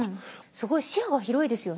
すごい視野が広いですよね。